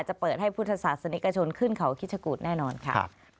จะเปิดให้พุทธศาสนิกชนขึ้นเขาคิดชะกูธแน่นอนค่ะ